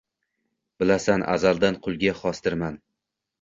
ьilasan, azaldan qulga xosdirman.